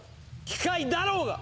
機械だろうが！